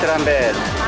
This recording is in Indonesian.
oh drum band